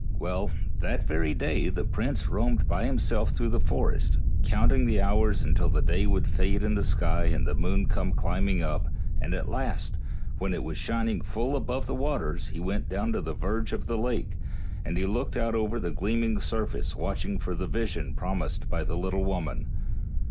Well, that very day the prince roamed by him self through the forest, counting the hours until the day would fade in the sky and the moon come climbing up, and at last, when it was shining full above the waters, he went down to the verge of the lake, and he looked out over the gleaming surface watching for the vision promised by the little woman.